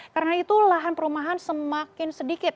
karena itu lahan perumahan semakin sedikit